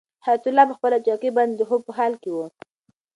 حیات الله په خپله چوکۍ باندې د خوب په حال کې و.